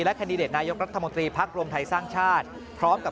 แคนดิเดตนายกรัฐมนตรีพักรวมไทยสร้างชาติพร้อมกับ